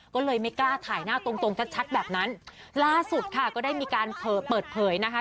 ก็เลยไม่กล้าถ่ายหน้าตรงตรงชัดชัดแบบนั้นล่าสุดค่ะก็ได้มีการเปิดเผยนะคะ